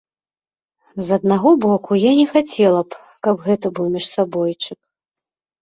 З аднаго боку, я не хацела б, каб гэта быў міжсабойчык.